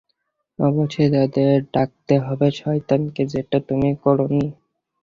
অবশ্যই তাদের ডাকতে হবে শয়তানকে, যেটা তুমি করোনি।